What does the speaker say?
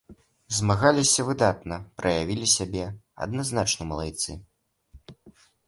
Змагаліся, выдатна праявілі сябе, адназначна малайцы.